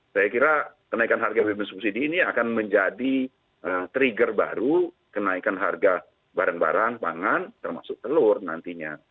saya kira kenaikan harga bbm subsidi ini akan menjadi trigger baru kenaikan harga barang barang pangan termasuk telur nantinya